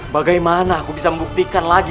bagaimana aku bisa membuktikan lagi